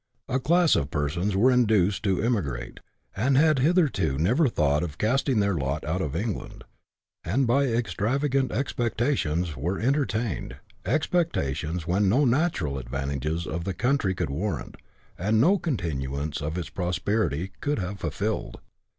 A class of persons were induced to emigrate, who had hitherto never thought of casting their lot out of England ; and by ''^ extravagant expectations were entertained — expectations whicn no natural advantages of the country could warrant, and no continuance of its prosperity could have fulfilled.